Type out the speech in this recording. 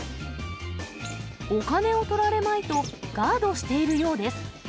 お金をとられまいと、ガードしているようです。